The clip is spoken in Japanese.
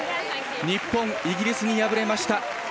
日本、イギリスに敗れました。